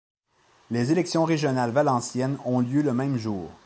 Les élections régionales valenciennes ont lieu le même jour.